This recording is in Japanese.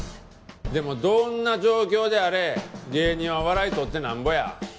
でもどんな状況であれ芸人は笑い取ってなんぼや。